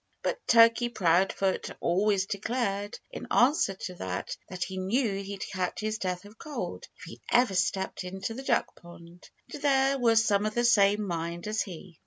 But Turkey Proudfoot always declared, in answer to that, that he knew he'd catch his death of cold if he ever stepped into the duck pond. And there were some of the same mind as he.